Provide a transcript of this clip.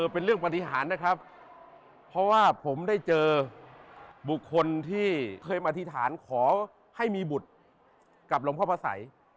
เป็นเรื่องปฏิหารนะครับเพราะว่าผมได้เจอบุคคลที่เคยมาอธิษฐานขอให้มีบุตรกับหลวงพ่อพระสัย